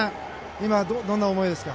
今、どんな思いですか？